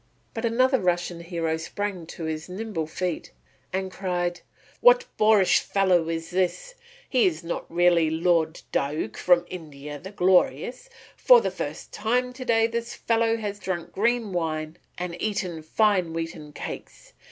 But another Russian hero sprang to his nimble feet and cried, "What boorish fellow is this? He is not really Lord Diuk from India the Glorious, and for the first time to day this fellow has drunk green wine and eaten fine wheaten cakes.